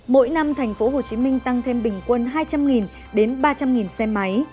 mỗi năm thành phố hồ chí minh tăng thêm bình quân hai trăm linh đến ba trăm linh xe máy